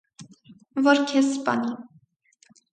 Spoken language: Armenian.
- Որ քեզ սպանի: